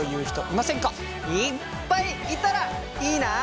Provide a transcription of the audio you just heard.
いっぱいいたらいいな！